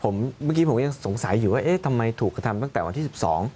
เมื่อกี้ผมยังสงสัยอยู่ว่าเอ๊ะทำไมถูกกระทำตั้งแต่วันที่๑๒